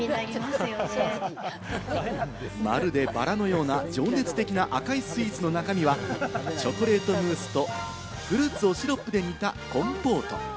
まるでバラのような情熱的な赤いスイーツの中身はチョコレートムースとフルーツをシロップで煮たコンポート。